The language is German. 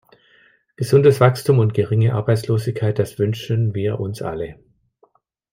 Gesundes Wachstum und geringe Arbeitslosigkeit, das wünschen wir uns alle!